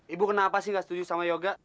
ibu kenapa sih gak setuju sama yoga